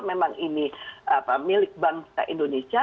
memang ini milik bangsa indonesia